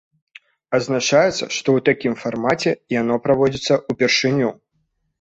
Адзначаецца, што ў такім фармаце яно праводзіцца ўпершыню.